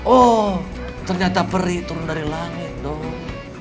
oh ternyata peri turun dari langit dong